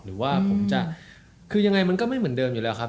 หรือว่าผมจะคือยังไงมันก็ไม่เหมือนเดิมอยู่แล้วครับ